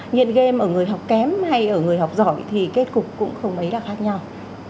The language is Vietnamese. nghiện game ở người học kém hay ở người học giỏi thì kết cục cũng không mấy là khác nhau